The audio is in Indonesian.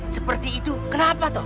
seperti itu kenapa tuh